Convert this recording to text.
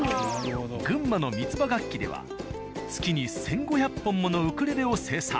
群馬の「三ッ葉楽器」では月に１５００本ものウクレレを生産。